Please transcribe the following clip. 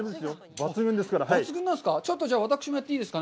抜群なんですか？